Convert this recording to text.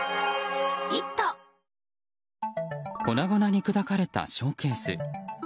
粉々に砕かれたショーケース。